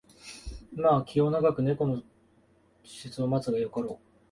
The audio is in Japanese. まあ気を永く猫の時節を待つがよかろう